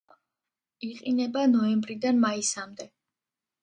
იყინება ნოემბრიდან მაისამდე.